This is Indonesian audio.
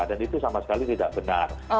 dan itu sama sekali tidak benar